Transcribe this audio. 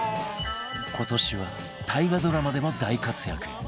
今年は大河ドラマでも大活躍